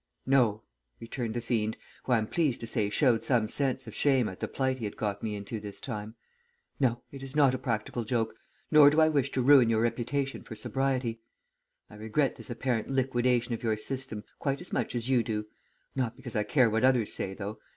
"'No,' returned the fiend, who I am pleased to say showed some sense of shame at the plight he had got me into this time. 'No, this is not a practical joke, nor do I wish to ruin your reputation for sobriety. I regret this apparent liquidation of your system quite as much as you do, not because I care what others say, though.